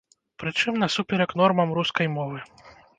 Прычым, насуперак нормам рускай мовы.